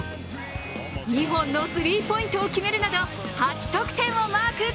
２本のスリーポイントを決めるなど８得点をマーク。